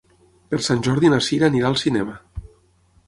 Per Sant Jordi na Cira anirà al cinema.